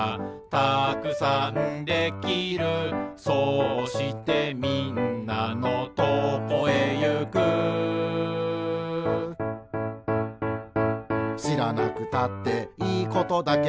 「そうしてみんなのとこへゆく」「しらなくたっていいことだけど」